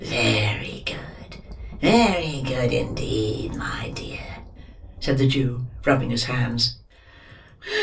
"There; very good! Very good indeed, my dear!" said the Jew, rubbing his hands.